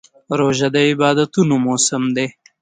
روژه د عبادتونو موسم دی.